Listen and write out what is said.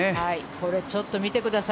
これちょっと見てください